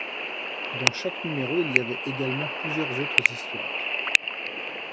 Dans chaque numéro, il y avait également plusieurs autres histoires.